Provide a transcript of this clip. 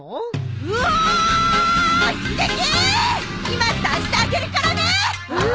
今出してあげるからねー！